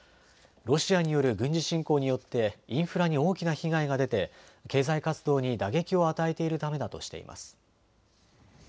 ロシアによる軍事侵攻によってインフラに大きな被害が出て経済活動に打撃を与えているためだとしています。